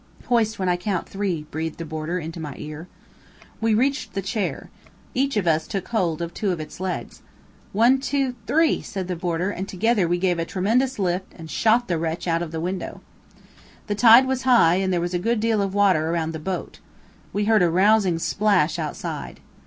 "Hoist when I count three," breathed the boarder into my ear. We reached the chair. Each of us took hold of two of its legs. "One two three!" said the boarder, and together we gave a tremendous lift and shot the wretch out of the window. The tide was high, and there was a good deal of water around the boat. We heard a rousing splash outside.